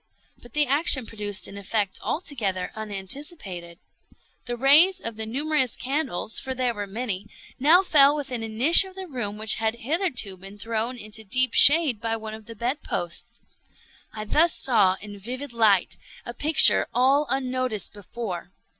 But the action produced an effect altogether unanticipated. The rays of the numerous candles (for there were many) now fell within a niche of the room which had hitherto been thrown into deep shade by one of the bed posts. I thus saw in vivid light a picture all unnoticed before.